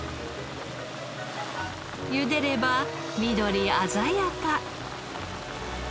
ゆでれば緑鮮やか。